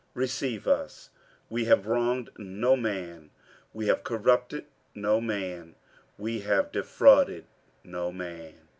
47:007:002 Receive us; we have wronged no man, we have corrupted no man, we have defrauded no man.